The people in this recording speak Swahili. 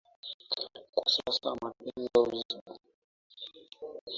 Kwa sasa wapenda soka duniani wameelekeza macho na masikio yao kwenye michuano ya Euro